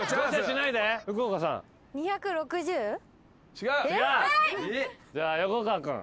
違う。